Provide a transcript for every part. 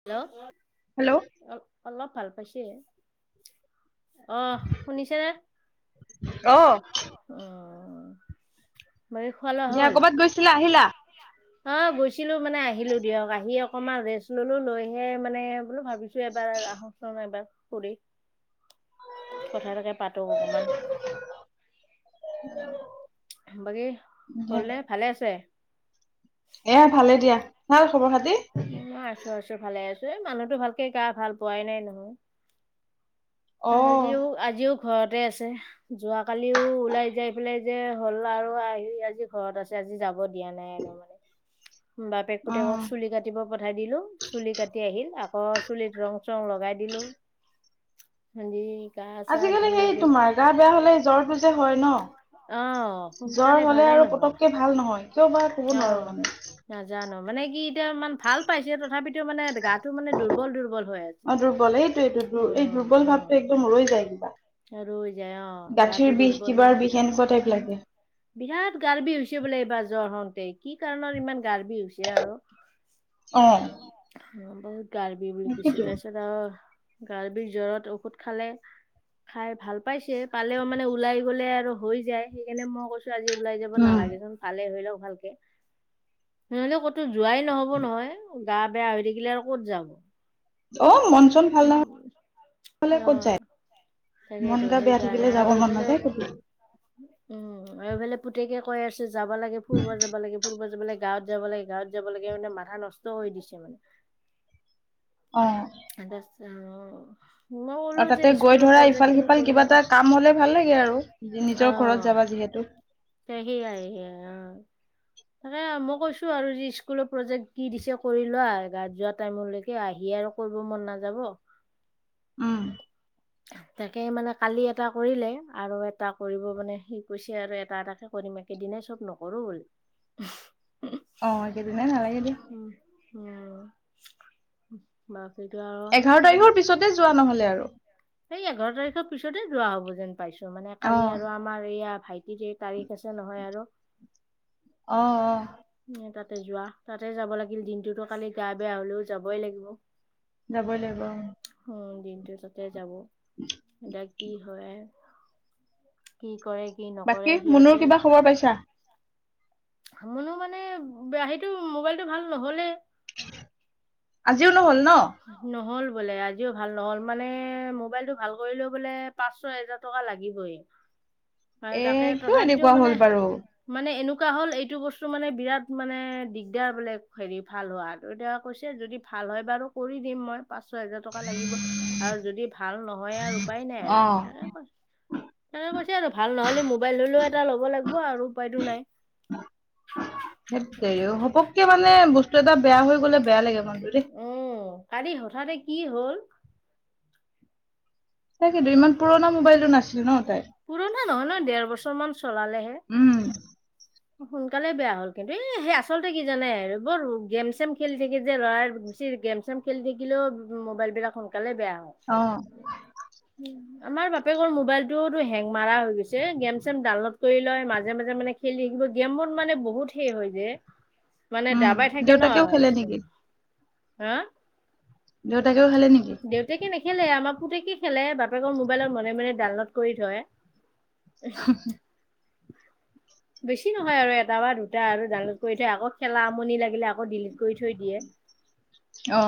Hello hello অ অলপ ভাল পাইছে আহ শুনিছে নে অ অ মইয়ো দিয়া কবাত গৈছিলা আহিলা অ গৈছিলো মানে আহিলো দিয়ক আহি অকমান ৰেষ্ট ললো লৈহে মানে বোলো ভাব ভাবিছো এবাৰ আহো ছোন এবাৰ ফুৰি কথা এটাকে পাতো অকমান অ', বাকী হ'লনে ভালে আছে? এয়া ভালে দিয়া, ভাল খবৰ খাতি? মই আছো আছো ভালে আছো এ মানুহতো ভালকে গা ভাল পোৱাই নাই নহয়। অ [unintelligible] আজিও ঘৰতে আছে। যোৱা কালিও ওলাই যাই পেলাই যে হ'ল আৰু আহি আজি ঘৰত আছে আজি যাব দিয়া নাই আৰু মানে বাপেক পুতেকক উম চুলি কাট কাটিব পঠাই দিলো চুলি কাটি আহিল আকৌ চুলিত ৰং চং লগাই দিলো। হেৰী গা চা ধুই একেবাৰে ভাত কিবা হ'লেই জ্বৰটো যে হয় ন' অ', জ্বৰ সোনকালে হলে ভালেই আৰু নহয়। পতককে ভাল নহয়। কিয় বা ক'ব অ নোৱাৰো মানে। নাজানো মানে কি এতিয়া ইমান ভাল পাইছে তথাপিতো মানে গাটো মানে দুৰ্ বল দুৰ্বল হৈ আছে অ দুৰ্বল এইটোয়েটো এই উম দুৰ্বল উম ভাৱটো একদম ৰৈ যায় কিবা ৰৈ যায় অ গাঁঠিৰ গাটো বিষ দুৰ্বল কিবাৰ হৈ বিষ এনেকুৱা টাইপ যায় উম লাগে বিৰাট গাৰ্বি হৈছে বোলে এইবাৰ জ্বৰ হওঁতে কি কাৰণৰ ইমান গাৰ্বি হৈছে আৰু [unintelligible] অ' অ', বহুত গাৰ বিষ বুলি কৈছে তাকেইতো। তাৰপিছত আৰু গাৰ বিষ জ্বৰত ঔষধ খালে খাই ভাল পাইছে পালেও মানে ওলাই গলে আৰু হৈ যায় সেইকাৰণে মই কৈছো তই আজি ওলাই যাব উম নালাগেচোন ভালে হৈ লওক ভালকেও নুশুনে কথ কতো যোৱাই নহব নহয় গা বেয়া হৈ থাকিলে আৰু ক'ত যাব। অ', মন চন ভাল নহ হলে অ ক'ত যায়। মন তাকেইতো গা বেয়া সেইকাৰণে থাকিলে যাব আৰু মন এইফালে নাযায় কতো উম, এইফালে পুতেকে কৈ আছে যাবা লাগে ফুৰিব যাবা লাগে ফুৰিব যাবা লাগে গাঁৱত যাব লাগে গাঁৱত যাব লাগে মানে মাথা নষ্ট কই দিছে মানে। অ' [unintelligible] আৰু যে তাতে গৈ স্কুলৰ ধৰা প্ৰজেক্ট ইফাল খিনি সিফাল কৰি ল কিবা এটা কাম হলে ভাল লাগে আৰু অ নিজৰ ঘৰত যাবা যিহেতু সেইয়াই সেয়াই অ তাকে মই কৈছো আৰু যি স্কুলৰ প্ৰজেক্ট কি দিছে কৰি লোৱা গাৱত যোৱা টাইমলৈকে এ আহি আৰু কৰিব মন নাযাব। উম তাকে মানে কালি এটা কৰিলে আৰু এটা কৰিব মানে সি কৈছে আৰু এটা এটাকে কৰিম একেইদিনাই চব নকৰো বুলি। অ', একেদিনাই নালাগে দিয়া উম, উম, বাকীতো আৰু এঘাৰ হেই তাৰিখৰ পিছতে যোৱা নহলে আৰু সেই এঘাৰ তাৰিখৰ পিছতে যোৱা হ'ব যেন পাইছো মানে অ কালি আৰু আমাৰ এইয়া ভাইট টি যে তাৰিখ আছে নহয় আৰু অঁ', অঁ। এ তাতে যোৱা তাতে যাব লাগিল দিনটোতো কালি গা বেয়া হলেও যাবই লাগিব। যাবই লাগিব অ' উম, দিনটো তাতে যাব এতিয়া কি হয়াই কি কৰে কি নকৰে সিহঁতে বৰ পাইছা? আমনো মানে বেয়া সেইটো মোবাইলটো ভাল নহলে আজিও নহ'ল ন'? ন'হল বোলে আজিও ভাল নহ'ল মানে মোবাইলটো ভাল কৰিলেও বোলে পাঁচ ছয় হেজাৰ টকা লাগিবই আৰু এ তাকে কিয় তথাপিতো এনেকুৱা মানে হ'ল বাৰু মানে এনেকুৱা হ'ল এইটো বস্তু মানে বিৰাট মানে দিগদাৰ বোলে হেৰি ভাল হোৱাত এতিয়া কৈছে যদি ভাল হয় বাৰু কৰি দিম মই পাঁচ ছয় হোজাৰ টকা লাগিব আৰু যদি ভাল নহয় আৰু উপায় নাই অ আৰু তাকে কৈছে তেনেকে কৈছে আৰু ভাল নহ'লে মোবাইল হলেও এটা ল'ব লাগব আৰু উপায়তো নাই সেত তেৰি সপককে মানে বস্তু এটা বেয়া হৈ গলে বেয়া লাগে মনটো দেই উম, কালি হঠাতে কি হ'ল তাকেইটো ইমান পুৰণা মোবাইলতো নাছিলে ন তাই? পুৰণা নহয় ন ডেৰ বছৰ মান চলালেহে। উম। সোনকালে বেয়া হ'ল কিন্তু এ সেই আচলতে কি জানে? বৰ গেম - চেম খেলি থাকি যে লৰাই বেছি গেম চেম খেলি থাকিলেও ওম মোবাইলবিলাক সোনকালে বেয়া হয়। অ'। উম। আমাৰ বাপেকৰ মোবাইলটোওতো হেং মাৰা হৈ গৈছে, গেম - চেম ডাউনলোড কৰি লয় মাজে - মাজে মানে খেলি ব গেমত মানে বহুত সেই হয় যে মানে উম দাবাই থাকে ন দেউতাকেও খেলে স্ক্ৰীন নেকি হা! দেউতাকেও খালে নেকি? দেউতাকে নেখেলে আমাৰ পুতেকে খেলে, বাপেকৰ মোবাইলত মনে - মনে ডাউনলোড কৰি থয়। উহ বেছি নহয় আৰু এটা বা দুটা আৰু ডাউনলোড কৰি থৈ আকৌ খেলা আমনি লাগিলে আকৌ ডিলিট কৰি থৈ দিয়ে। [unintelligible] অ।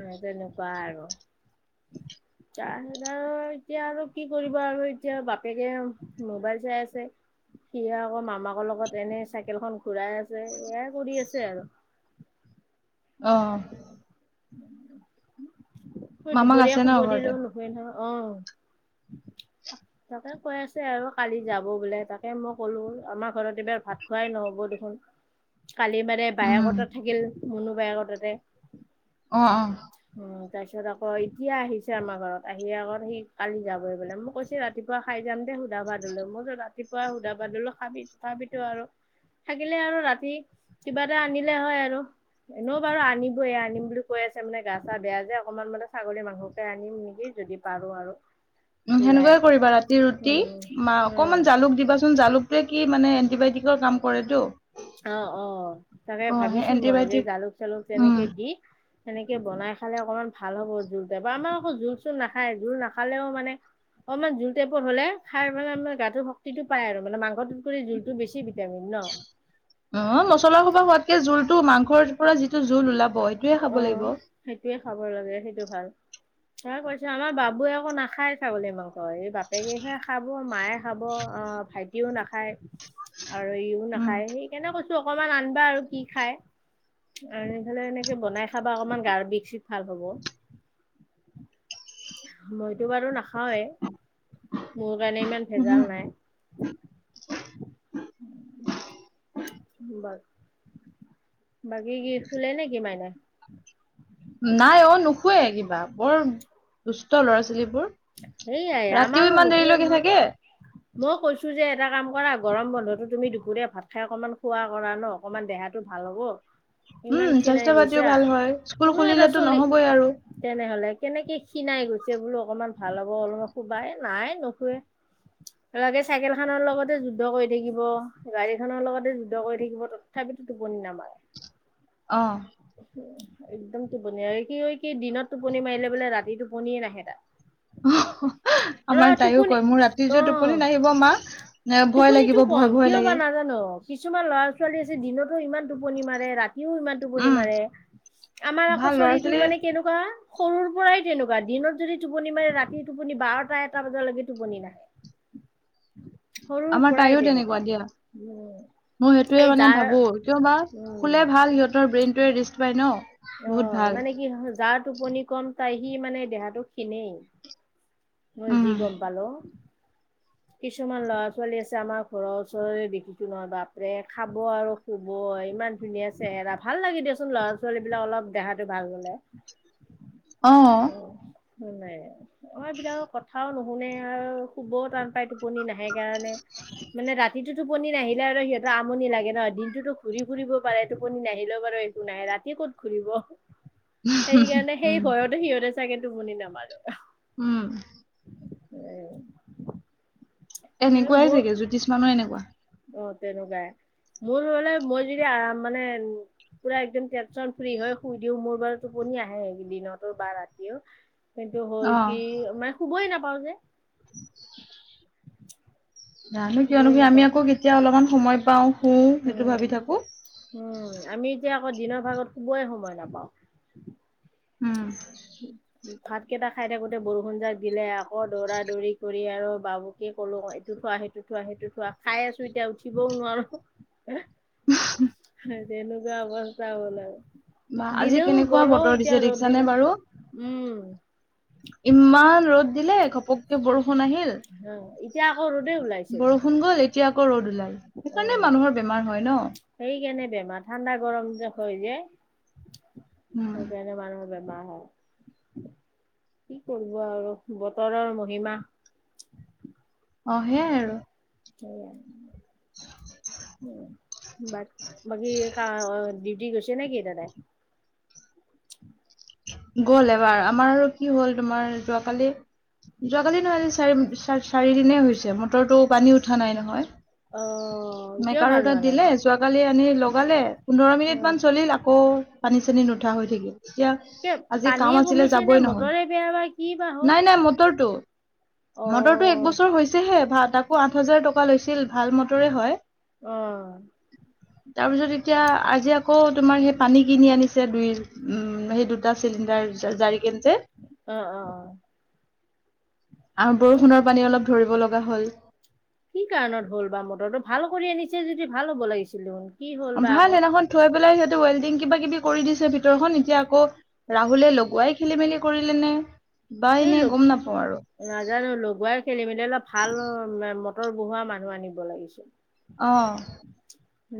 ৰ তেনেকুৱা আৰু। তাৰপিছত আৰু এতিয়া আৰু কি কৰিব আৰু এতিয়া বাপেকে মোবাইল চাই আছে। সি আকৌ মামাকৰ লগত এনে চাইকেলখন ঘুৰাই আছে এয়াই কৰি আছে আৰু। অ। মই মামাক দুপৰীয়া আছে ন শুব ঘৰতে দিলো নুশুৱে নহয় অ। তাকে কৈ আছে আৰু কালি যাব বোলে তাকে মই ক'লো আমাৰ ঘৰত এইবাৰ ভাত খোৱাই নহ'ব দেখোন। কালি মানে উম বায়েকহতত থাকিল মুনু বায়েকততে। অ অ। উম তাৰ পিছত আকৌ এতিয়া আহিছে আমাৰ ঘৰত, আহি আকৌ সি কালি যাবই বোলে, মই কৈছ তে ৰাতিপুৱা খাই যাম দে সুধা ভাত হলও, মইতো ৰাতিপুৱা সুধা ভাত হলও খাবি খাবিতো আৰু থাকিলে আৰু ৰাতি কিবা এটা আনিলে হয় আৰু। এনও বাৰু আনিবয়ে, আনিম বুলি কৈ আছে মানে গা চা বেয়া যে অকনমান মানে ছাগলী মাংসকে আনিম নেকি যদি পাৰো আৰু। উম ওলাই সেনেকুৱাই কৰিবা ৰাতি ৰুটি উম মা উম অকমান জালুক দিবাচোন জালুক বোৰে কি মানে এণ্টিবায়টিকৰ কাম কৰেতো অ অ তাকে অ সেই ভাবিছো মই যে এণ্টিবায়টিক জালুক - চালুক উম তেনেকে দি সেনেকে বনাই খালে অকণমান ভাল হ'ব জোলতে বা আমাৰ আকৌ জোল - চোল নাখায়, জোল নাখালেও মানে অকণমান জোল টাইপত হ'লে খাই মানে আমাৰ গাটোৰ শক্তিটো পায় আৰু মানে মাংসটোত কৰি জোলটো বেছি ভিটামিন ন। অ মছলা সোবা হোৱাতকে জোলটো মাংসৰ পুৰা যিটো জোল ওলাব সেইটোয়ে খাব অ', লাগিব। সেইটোয়ে খাব লাগে সেইটো ভাল। তা কৈছো আমাৰ বাবে একো নাখায় ছাগলী মাংস এই বাপেকেহে খাব, মায়ে খাব অ ভাইটিও নাখায় আৰু ইও উম নাখায় সেইকাৰণে কৈছোঁ অকণমান আনিবা আৰু কি খায়? আনিফালে এনেকে বনাই খাবা অকনমান গাৰ বিষ - চিক ভাল হব। মইতো বাৰু নাখাওৱেই, মোৰ কাৰণে ইমান উহু ভেজাল নাই। বাৰু, বাকী কি শুলে নেকি মাইনাই? নাই অ নোশুৱে কিবা, বৰ দুষ্ট ল'ৰা - ছোৱালীবোৰ। সেইয়াই ৰাতিও আমাৰো ইমান নুশুৱে দেৰিলৈকে থাকে নহয়। মই কৈছো যে এটা কাম কৰা গৰম বন্ধতো তুমি দুপৰীয়া ভাত খাই অকনমান খোৱা কৰা ন। অকমান দেহাতটো ভাল হ'ব। ইমান উম খিনাই স্বাস্থ্য পাতিও গৈছা ভাল হয় স্কুল কোনো এটা খুলিলেতো চলি। নহবই আৰু তেনেহলে কেনেকে খিনাই গৈছে বোলো অকমান ভাল হ'ব অলপমান শোবাই নাই নুশুৱে। লগে চাইকেল খনৰ লগতে যুদ্ধ কৰি থাকিব গাড়ী খনৰ লগতে যুদ্ধ কৰি থাকিব তত তথাপিতো টোপনি নামাৰে। অ'। উ একদম টোপনি কি কি দিনত টোপনি মাৰিলে বোলে ৰাতি টোপনিয়ে নাহে তাৰ। হ হ অ আমাৰ তাইও টোপনি কয় মোৰ ৰাতি অ যে টোপনি নাহিব মা। ন ভয় টোপনিটো লাগিব ভয় কম -ভয় কিয় বা লাগে। নাজানো কিছুমান ল'ৰা -ছোৱালী আছে দিনতো ইমান টোপনি মাৰে ৰাতিও ইমান। টোপনি উম মাৰে আমাৰ আকৌ ভাল ল'ৰা চলিটো ছোৱালী মানে কেনেকুৱা। সৰুৰ পৰাই তেনেকুৱা দিনত যদি টোপনি মাৰে ৰা ৰাতি টোপনি বাৰটা এটা বজালৈকে টোপনি নাহে। সৰুৰ আমাৰ তাইও পৰাই তেনেকুৱা দিয়া উম। মই সেইটোৱে এই মানে যাৰ ভাবো কিয় বা উম শুলে ভাল সিহঁতৰ ব্ৰেইনটোৱে ৰেষ্ট পায় ন। বহুত অ', ভাল মানে কি জাৰ টোপনি কম তাই সি মানে দেহাটো ক্ষিণেই। মই উম যি গম পালো। কিছুমান ল'ৰা- ছোৱালী আছে আমাৰ ঘৰৰ ওচৰৰে দেখিছোঁ নহয় বাপৰে খাব আৰু শুব ইমান ধুনীয়া চেহেৰা ভাল লাগে দিয়াচোন ল'ৰা-ছোৱালী বোলে অলপ দেহাটো ভাল হলে অ', নাই। আমাৰ এইবলাকৰ কথাও নুশুনে আৰু শুবও টান পাই টো টোপনি নাহে কাৰণে মানে ৰাতিটো। টোপনি নাহিলে আৰু সিহঁৰ আমনি লাগে নহ দিনটোতো ঘৰি ফুৰিব পাৰে টোপনি নাহিলেও বাৰু একো নাই ৰাতি ক'ত ঘুৰিব সেইকাৰণে সেই উম ভয়তে সিহঁতে চাগে টোপনি নামাৰে। উম। এনেকুৱাই মোৰ চাগে জ্যোতিষ্মানো এনেকুৱা। অ', তেনেকুৱাই মোৰ হলে মই যদি আৰাম মানে পুৰা একদম টেনশচন ফ্ৰী হয় শুই দিও মোৰ বাৰু টোপনি আহে দিনতো বা ৰাতিও। কিন্তু হ'ল অ কি মানে শুবই নাপাও যে। [unintelligible] জানো কিয়নো শুবই কি আমি নাপাও আকৌ কেতিয়া অলপমান সময় পাও শুও সেইটো উম ভাবি থাকো। উম আমি এতিয়া আকৌ দিনৰ ভাগত শুবয়ে সময় নাপাওঁ। উম। ভাত কেইটা খাই থাকোতে বৰষুণ যাক দিলে আকৌ দৌৰা-দৌৰি কৰি আৰু বাবুকে কলো এইটো থোৱা সেই এইটো থোৱা সেইটো থোৱা খাই আছো এতিয়া উঠিবও নোৱাৰো। তেনেকুৱা অৱস্থা হ'ল বা আৰু আজি দিলেও কেনেকুৱা গলো বতৰ দিছে এতিয়া ৰ'দ দেখিছানে দিলে। বাৰু উম। ইমান ৰ'দ দিলে ঘপককে বৰষুণ আহিল। অ', এতিয়া আকৌ ৰ'দে ওলাইছে দেখোন। বৰষুণ গ'ল এতিয়া আকৌ ৰ'দ ওলাই সেইকাৰণে মানুহৰ বেমাৰ হয় ন। সেই কাৰণে বেমাৰ ঠাণ্ডা গৰম যে হয় যে। উম সেইকাৰনে মানুহৰ বেমাৰ হয়। কি কৰিব আৰু বতৰৰ মহিমা। অ' সেইয়াই আৰু। [unintelligible] [unintelligible] বাকী কা ডিউটি গৈছে নেকি দাদাই? গ'ল এবাৰ, আমাৰ আৰু কি হ'ল তোমাৰ যোৱাকালি যোৱাকালি নহয় চাৰ-চাৰিদিনেই হৈছে, মটৰটো পানী উঠা নাই নহয়। অ'। এতিয়াও মেকাৰৰ ভাল হোৱা তাত নাই দিলে, যোৱাকালি আনি লগালে পোন্ধৰ অ মিনিট মান চলিল আকৌ পানী চানী নুঠা হৈ থাকে, এতিয়া কিয় আজি পানীয়ে কাম আছিলে কমিছে নে যাবই নহ'ল। মটৰে বেয়া বা কি বা হ'ল নাই নাই মটৰটো। অ মটৰটো এক বছৰ হৈছেহে, বা তাকো আঠ হাজাৰ টকা লৈছিল, ভাল মটৰে হয়। অ'। তাৰপিছত এতিয়া আজি আকৌ তোমাৰ সেই পানী কিনি আনিছে দুই উম টা চিলিণ্ডাৰ জাৰি কেনে যে অ', অ', অ'। আ, বৰষুণৰ পানী অলপ ধৰিব লগা হ'ল। কি কাৰণত হ'ল বা মটৰটো, ভাল কৰি আনিছে যদি ভাল হ'ব লাগিছিল [unintelligible] ভাল আকৌ সেইদিনাখন থৈ পেলাই সিহঁতে ৱেল্ডিং কিবা কিবি কৰি দিছে ভিতৰখন এতিয়া আকৌ ৰাহুলে লগোৱাই খেলি মেলি কৰিলেনে বা সেই এনে লোক গম নাপাওঁ আৰু। নাজানো, লগোৱাই খেলি মেলি, অলপ ভাল মটৰ বহোৱা মানুহ আনিব লাগিছিল। অ'।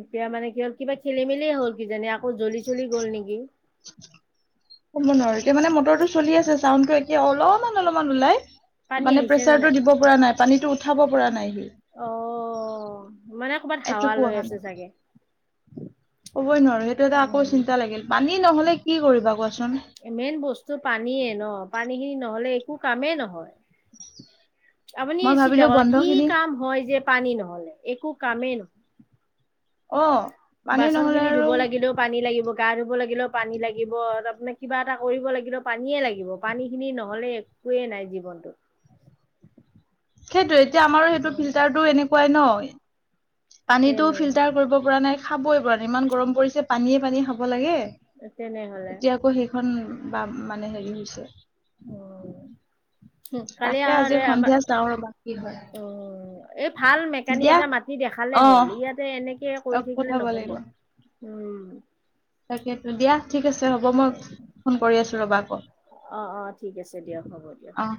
এতিয়া মানে কি হ'ল, কিবা খেলি মেলি হ'ল কিজানি, আকৌ জ্বলি চলি গ'ল নেকি। ক'ব নোৱাৰো। এতিয়া মানে মটৰটো চলি আছে, চাউণ্ডটো এয়া অলপমান অলপমান ওলাই। পানী মানে আহিছে নে প্ৰেচাৰটো নাই? দিব পৰা নাই, পানীটো উঠাব পৰা নাই সি। অ' মানে ক'ৰবাত এইটো হাৱা লৈ পহা আছে নাই। চাগে। কবই নোৱাৰো এইটো এটা আকৌ উম, চিন্তা লাগিল। পানী নহ'লে কি কৰিবা কোৱাচোন? মেইন বস্তু পানীয়ে ন' পানীখিনি নহ'লে একো কামেই নহয়। আপুনি মই ভাবিলো চিন্তা কৰক বন্ধ কি খিনি কাম হয় যে পানী নহ'লে, একো কামেই নহ অ'। পানী নহলে বাচনখিনি আৰু ধুব লাগিলেও পানী লাগিব, গা ধুব লাগিলেও পানী লাগিব, তাৰপমানে কিবা এটা কৰিব লাগিলেও পানীয়েই লাগিব, পানীখিনি নহ'লে একোৱে নাই জীৱনটোত। সেইটোয়ে, এতিয়া আমাৰো সেইটো ফিল্টাৰটো এনেকুৱাই ন'। পানীটো তেনে ফিল্টাৰ কৰিব পৰা নাই, খাবই পৰা নাই, ইমান গৰম পৰিছে পানীয়ে পানীয়ে খা ব লাগে, তেনেহলে এতিয়া আকৌ সেইখন বা মানে হেৰি হৈছে। অ'। কালি তাকে আজি আহ, আমাৰ, সন্ধিয়া চাওঁ ৰবা কি হয় অ' এই ভাল মেকানি দিয়া এটা মাত নি দেখালে অ হ'ল, ইয়াতে এনেকে কৰি থাকিলে পঠাব নহ'ব। লাগিব উম। তাকেতো, দিয়া। ঠিক আছে হ'ব মই ফোন কৰি আছোঁ ৰ'বা আকৌ। অ অ ঠিক আছে দিয়ক হ'ব দিয়ক অ'।